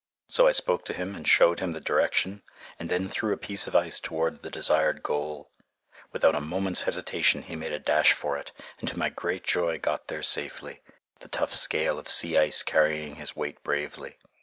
So I spoke to him and showed him the direction, and then threw a piece of ice toward the desired goal. Without a moment's hesitation he made a dash for it, and to my great joy got there safely, the tough scale of sea ice carrying his weight bravely.